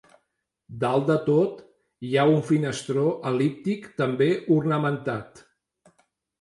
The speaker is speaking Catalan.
Dalt de tot hi ha un finestró el·líptic, també ornamentat.